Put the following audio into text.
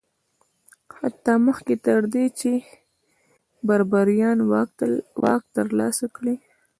حتی مخکې تر دې چې بربریان واک ترلاسه کړي